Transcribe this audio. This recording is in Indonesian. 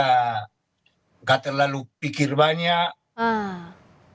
tidak terlalu berpikir banyak